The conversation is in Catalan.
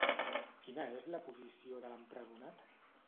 Quina és la posició de l'empresonat?